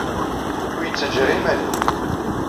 Ur iyi-ttajja ara i yiman-inu.